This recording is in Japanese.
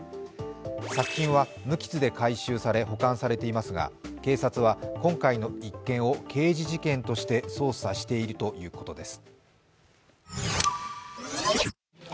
作品は無傷で回収され保管されていますが警察は今回の一件を刑事事件として捜査しているということです。